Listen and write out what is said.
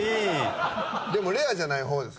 でもレアじゃない方です。